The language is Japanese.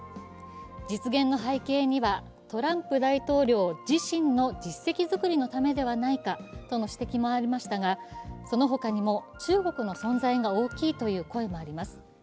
実現の背景には、トランプ大統領自身の実績作りのためではないかとの指摘もありましたが、そのほかにも中国の存在が大きいという声もあります。